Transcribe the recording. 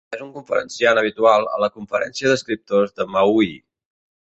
És un conferenciant habitual a la Conferència d'Escriptors de Maui.